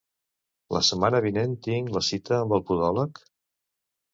La setmana vinent tinc la cita amb el podòleg?